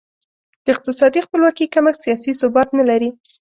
د اقتصادي خپلواکي کمښت سیاسي ثبات نه لري.